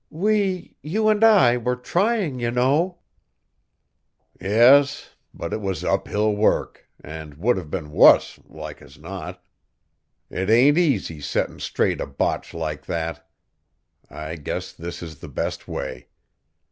"We, you and I, were trying, you know!" "Yes; but it was uphill work, an' would have been wuss, like as not. 'T ain't easy settin' straight a botch like that. I guess this is the best way.